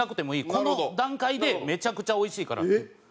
この段階でめちゃくちゃおいしいから」っていう。